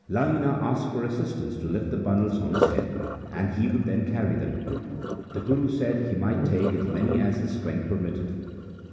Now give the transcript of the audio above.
Lahina asked for assistance to lift the bundles on his head, and he would then carry them. The Guru said he might take as many as his strength permitted.